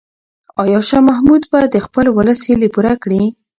آیا شاه محمود به د خپل ولس هیلې پوره کړي؟